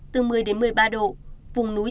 từ một mươi đến một mươi ba độ vùng núi